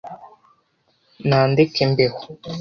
nandeke mbeho